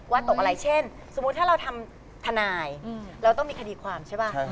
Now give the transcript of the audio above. ตกอะไรเช่นสมมุติถ้าเราทำทนายเราต้องมีคดีความใช่ป่ะ